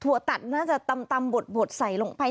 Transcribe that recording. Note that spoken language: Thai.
ตัดน่าจะตำบดใส่ลงไป